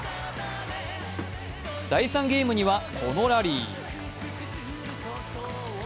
第３ゲームには、このラリー。